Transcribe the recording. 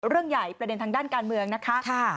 เรื่องใหญ่ประเด็นทางด้านการเมืองนะคะ